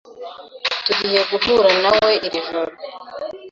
Tugiye guhura nawe iri joro.